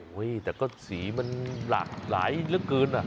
โอ๊ยแต่ก็สีมันหลากหลายนึกกลืน